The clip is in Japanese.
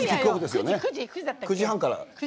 ９時半から。